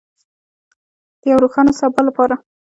د یو روښانه سبا لپاره.